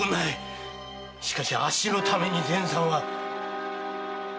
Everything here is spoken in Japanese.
しかしあっしのために善さんは。